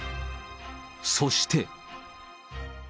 そして。